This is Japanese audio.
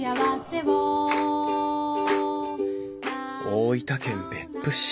大分県別府市。